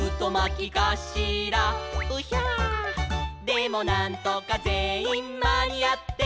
「でもなんとかぜんいんまにあって」